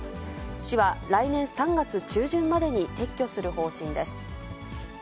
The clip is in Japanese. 市は、来年３月中旬までに撤去する方針です。